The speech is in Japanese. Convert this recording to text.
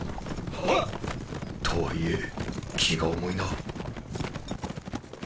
はっ！とはいえ気が重いな。